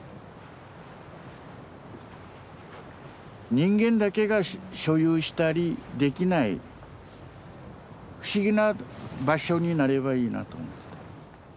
人間だけが所有したりできない不思議な場所になればいいなと思ってた。